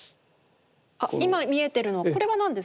あっ今見えてるのこれは何ですか？